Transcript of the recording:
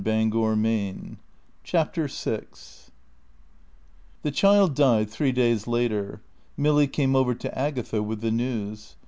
And if the child dies " CHAPTER SIX The child died three days later. Milly came over to Agatha with the news.